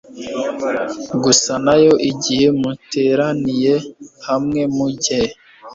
gusa na Yo. Igihe muteraniye hamwe mujye